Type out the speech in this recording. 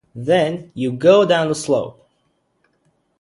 Then you go down the slope.